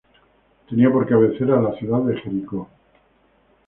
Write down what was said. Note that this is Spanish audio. Tenía por cabecera a la ciudad de Jericó.